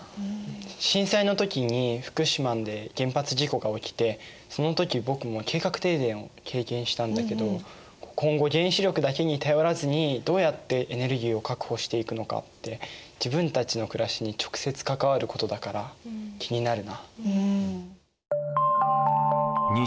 震災の時に福島で原発事故が起きてその時僕も計画停電を経験したんだけど今後原子力だけに頼らずにどうやってエネルギーを確保していくのかって自分たちの暮らしに直接関わることだから気になるな。